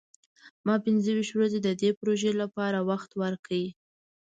ما پنځه ویشت ورځې د دې پروژې لپاره وخت ورکړ.